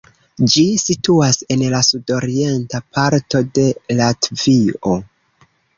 Ĝi situas en la sudorienta parto de Latvio.